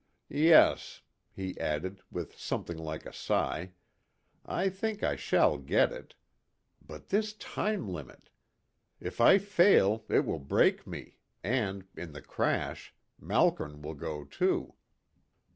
Yes," he added, with something like a sigh, "I think I shall get it. But this time limit! If I fail it will break me, and, in the crash, Malkern will go too."